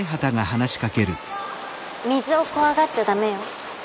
水を怖がっちゃ駄目よ。